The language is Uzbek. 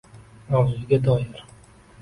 Mavzuga doir: